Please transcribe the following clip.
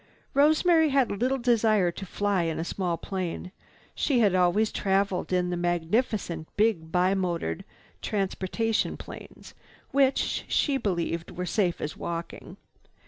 Rosemary had little desire to fly in a small plane. She had always traveled in the magnificent big bi motored transportation planes which, she believed, were safe as walking.